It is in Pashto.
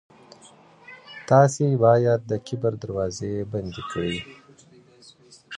تاسي باید د کبر دروازې بندې کړئ.